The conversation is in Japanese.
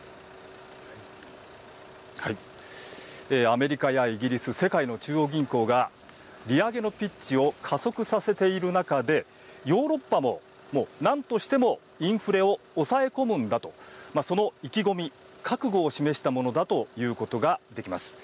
アメリカやイギリス世界の中央銀行が利上げのピッチを加速させている中でヨーロッパももう何としてもインフレを抑え込むんだとその意気込み、覚悟を示したものだということができます。